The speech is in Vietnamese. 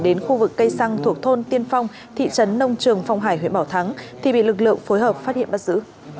đến khu vực cây xăng thuộc thôn tiên phong thị trấn nông trường phong hải huyện bảo thắng thì bị lực lượng phối hợp phát hiện bắt giữ